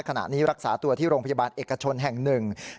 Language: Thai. ขณะนี้รักษาตัวที่โรงพยาบาลเอกชนแห่งหนึ่ง